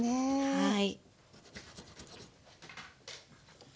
はい。